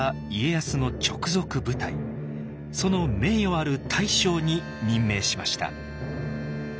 その名誉ある大将に任命しました。